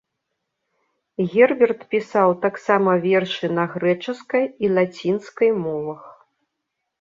Герберт пісаў таксама вершы на грэчаскай і лацінскай мовах.